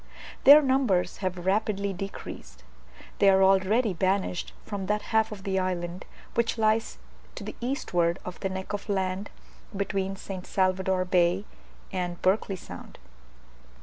Their numbers have rapidly decreased; they are already banished from that half of the island which lies to the eastward of the neck of land between St. Salvador Bay and Berkeley Sound.